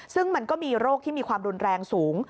ซึ่งมันก็มีโรคที่มีความรุนแรงสูง